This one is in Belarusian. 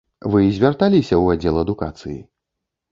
Вы звярталіся ў аддзел адукацыі?